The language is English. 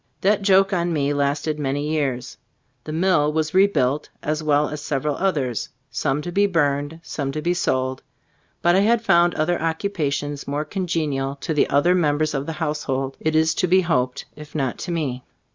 That joke on me lasted many years. The i<* Zbc Stan of Ae CM&booo mill was rebuilt, as well as several others, some to be burned, some to be sold; but I had found other occupa tions more congenial to the other members of the household, it is to be hoped, if not to me.